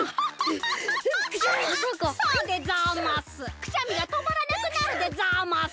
くしゃみがとまらなくなるでざます。